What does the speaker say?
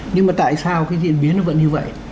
nhưng mà tại sao cái diễn biến nó vẫn như vậy